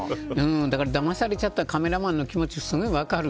だまされちゃったカメラマンの気持ち、すごく分かります。